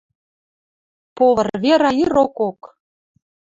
Повар Вера ирокок.